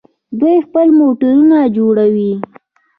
دوی خپل موټرونه جوړوي.